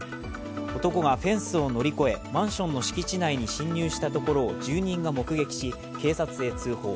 男がフェンスを乗り越えマンションの敷地内に侵入したところを住人が目撃し、警察へ通報。